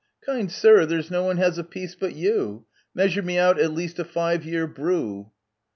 Kind sir, there's no one has a peace but you — Measure me out at least a five year brew